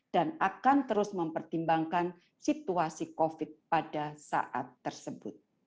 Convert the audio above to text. dan akan terus mempertimbangkan situasi covid pada saat tersebut